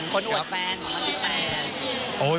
คนอวดแฟนของคุณเป็นแฟน